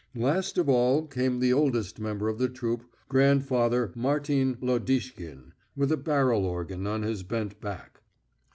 Last of all came the oldest member of the troupe, grandfather Martin Lodishkin, with a barrel organ on his bent back.